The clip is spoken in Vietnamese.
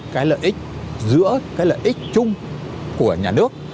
cái lợi ích giữa cái lợi ích chung của nhà nước